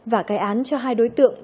và cái án cho hai đối tượng